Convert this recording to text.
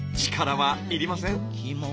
力は要りません。